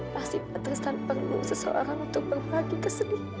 pasti pak tristan perlu seseorang untuk berbagi kesedihan sama aku